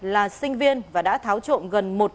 là sinh viên và đã tháo trộm gần